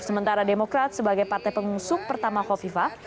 sementara demokrat sebagai partai pengusuh pertama khofifah